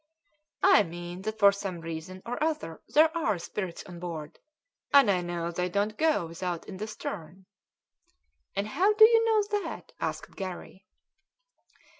"I mean that for some reason or other there are spirits on board, and I know they don't go without in the stern." "And how do you know that?" asked Garry.